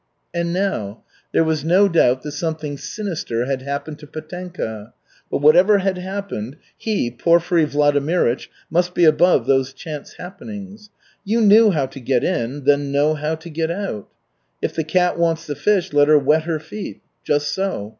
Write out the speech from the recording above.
And now! There was no doubt that something sinister had happened to Petenka. But whatever had happened, he, Porfiry Vladimirych, must be above those chance happenings. "You knew how to get in, then know how to get out." "If the cat wants the fish, let her wet her feet." Just so.